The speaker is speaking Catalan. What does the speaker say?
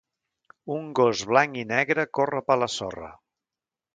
Un gos blanc i negre corre per la sorra.